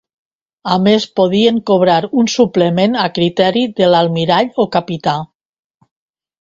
A més podien cobrar un suplement a criteri de l’almirall o capità.